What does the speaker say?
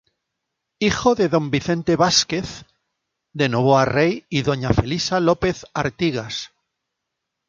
Hijo de don Vicente Vásquez de Novoa Rey y doña Felisa López de Artigas.